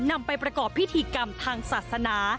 นำไปประกอบพิธีกรรมทางศาสนา